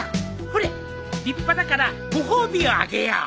ほれ立派だからご褒美をあげよう。